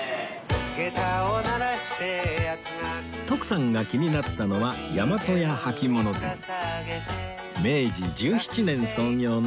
徳さんが気になったのは明治１７年創業の下駄屋さんです